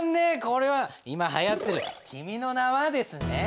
これは今はやってる「君の名は。」ですね。